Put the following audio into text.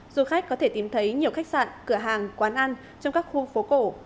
du khách có thể tìm thấy nhiều khách sạn cửa hàng quán ăn trong các khu phố cổ